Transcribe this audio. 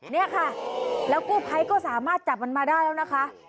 นี่ค่ะแล้วกู้ภัยก็สามารถจับมันมาได้แล้วนะคะ